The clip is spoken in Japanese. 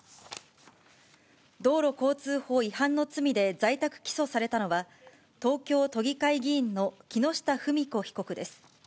道路交通法違反の罪で在宅起訴されたのは、東京都議会議員の木下富美子被告です。